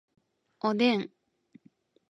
おでん